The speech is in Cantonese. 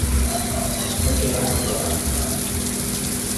不經不覺